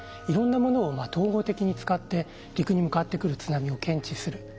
いろんなものを統合的に使って陸に向かってくる津波を検知する。